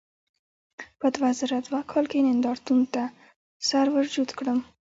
په دوه زره دوه کال کې نندارتون ته سر ورجوت کړم.